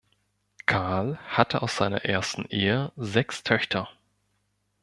Karl hatte aus seiner ersten Ehe sechs Töchter.